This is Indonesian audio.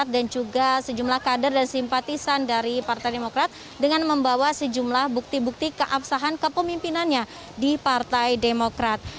juga sejumlah kader dan simpatisan dari partai demokrat dengan membawa sejumlah bukti bukti keabsahan kepemimpinannya di partai demokrat